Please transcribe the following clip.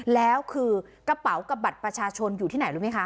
แล้วคือกระเป๋ากับบัตรประชาชนอยู่ที่ไหนรู้ไหมคะ